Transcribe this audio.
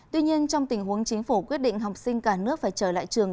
tuy nhiên trong tình huống chính phủ quyết định học sinh cả nước phải trở lại trường